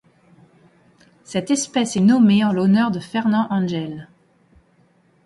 Cette espèce est nommée en l'honneur de Fernand Angel.